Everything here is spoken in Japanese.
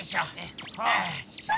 よいしょ！